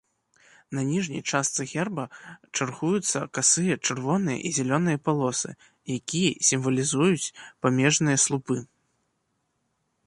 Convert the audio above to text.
На ніжняй частцы герба чаргуюцца касыя чырвоныя і зялёныя палосы, якія сімвалізуюць памежныя слупы.